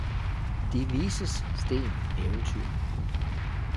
De vises sten Eventyr